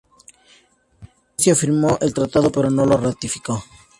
Indonesia firmó el tratado, pero no lo ratificó.